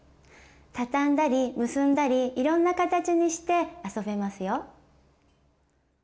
たたんだり結んだりいろんな形にして遊べますよ。